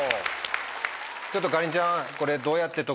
ちょっとかりんちゃんこれ。